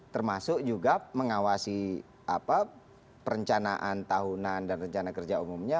termasuk juga mengawasi perencanaan tahunan dan rencana kerja umumnya